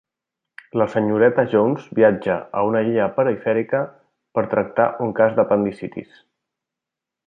La senyoreta Jones viatja a una illa perifèrica per tractar un cas d'apendicitis.